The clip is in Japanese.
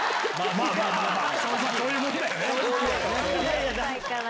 まぁまぁそういうもんだよね。